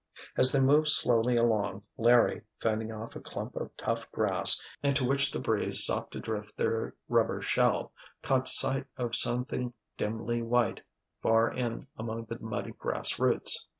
As they moved slowly along Larry, fending off a clump of tough grass into which the breeze sought to drift their rubber shell, caught sight of something dimly white, far in among the muddy grass roots.